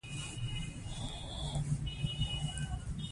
دا زموږ د ټولو ګډه بریا ده.